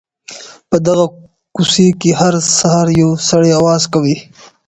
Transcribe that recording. په دغه کوڅې کي هر سهار یو سړی اواز کوي.